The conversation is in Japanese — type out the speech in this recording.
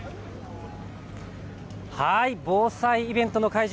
防災イベントの会場